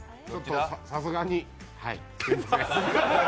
さすがに。